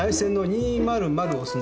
「２・０・０」